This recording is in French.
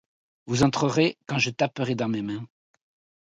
Vous entrerez, quand je taperai dans mes mains.